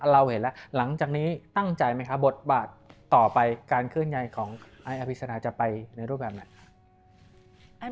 เราเห็นแล้วหลังจากนี้ตั้งใจไหมครับบทบาทต่อไปการเคลื่อนใยของไอ้อภิษณาจะไปในรูปแบบไหน